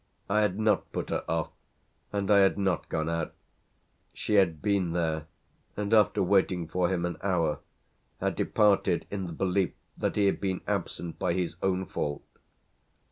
I had not put her off and I had not gone out; she had been there and after waiting for him an hour had departed in the belief that he had been absent by his own fault.